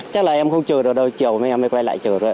chắc là em không chờ được đâu chiều em mới quay lại chờ rồi